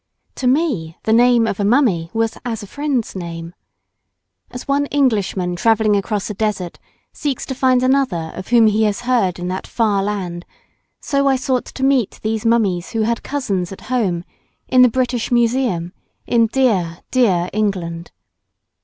To me the name of a mummy was as a friend's name. As one Englishman travelling across a desert seeks to find another of whom he has heard in that far land, so I sought to meet these mummies who had cousins at home, in the British Museum, in dear, dear England.